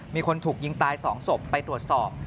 มีคนถูกยิงตาย๒ศพไปตรวจสอบ